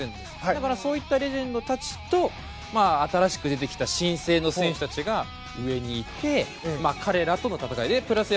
だからそういったレジェンドたちと新しく出てきた新星の選手たちが上にいって彼らとの戦いプラス